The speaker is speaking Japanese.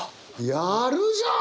やるじゃん！